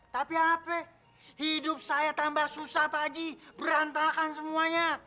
tapi apa hidup saya tambah susah pak haji berantakan semuanya